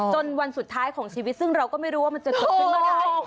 วันสุดท้ายของชีวิตซึ่งเราก็ไม่รู้ว่ามันจะเกิดขึ้นเมื่อไหร่